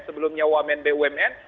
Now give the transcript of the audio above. sebelumnya wamen bumn